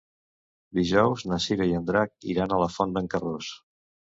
Dijous na Cira i en Drac iran a la Font d'en Carròs.